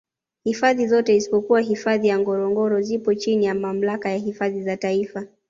hifadhi zote isipokuwa hifadhi ya ngorongoro zipo chini ya Mamlaka ya hifadhi za taifa